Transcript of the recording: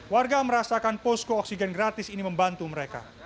warga merasakan posko oksigen gratis ini membantu mereka